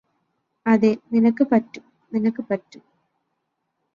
അതെ നിനക്ക് പറ്റും നിനക്ക് പറ്റും